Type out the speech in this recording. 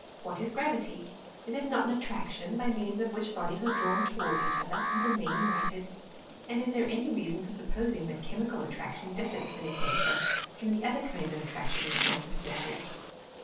What is gravity ? Is it not an attraction by means of which bodies are drawn towards each other, and remain united ? And is there any reason for supposing that chemical attraction differs m its nature from the other kinds of attraction which matter possesses?